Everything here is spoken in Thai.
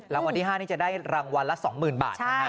รางวัลที่๕นี่จะได้รางวัลละ๒๐๐๐บาทนะฮะ